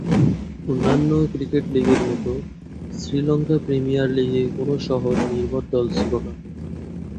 অন্যান্য ক্রিকেট লীগের মত শ্রীলঙ্কা প্রিমিয়ার লীগে কোন শহর নির্ভর দল ছিল না।